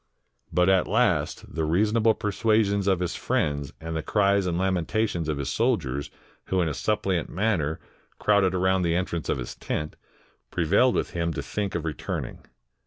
But 86 ALEXANDER THE GREAT IN INDIA at last the reasonable persuasions of his friends and the cries and lamentations of his soldiers, who in a suppliant manner crowded about the entrance of his tent, pre vailed with him to think of returning.